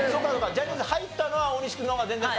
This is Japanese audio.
ジャニーズ入ったのは大西君の方が全然先なんだ。